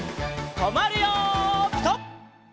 とまるよピタ！